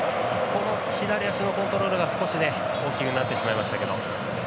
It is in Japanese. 左足のコントロールが少しね大きくなってしまいましたけど。